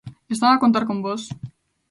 Están a contar con vós?